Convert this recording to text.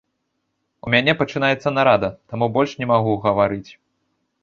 У мяне пачынаецца нарада, таму больш не магу гаварыць.